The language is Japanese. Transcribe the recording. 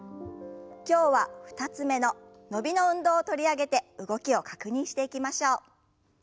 今日は２つ目の伸びの運動を取り上げて動きを確認していきましょう。